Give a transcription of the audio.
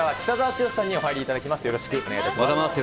よろしくお願いします。